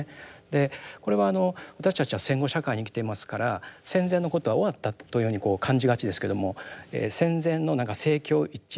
でこれはあの私たちは戦後社会に生きていますから戦前のことは終わったというふうにこう感じがちですけども戦前のなんか政教一致